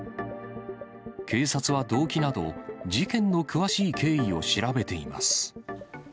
警察は動機など、事件の詳しい経緯を調べています。